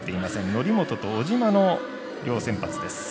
則本と小島の両先発です。